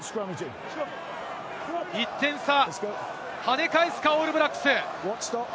１点差、はね返すかオールブラックス。